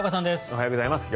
おはようございます。